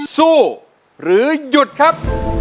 สู้หรือหยุดครับ